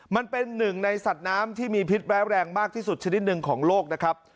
มันเป็นหนึ่งในสัตว์น้ำที่มีพิษร้ายแรงมากที่สุดชนิดหนึ่งของโลกนะครับ